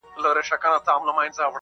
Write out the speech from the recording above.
زۀ د سپرلي د بڼ سيلۍ شوم ورته ورسېدم